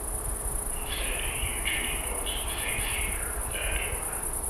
Instead he retreated north to Saint-Sever on the Adour.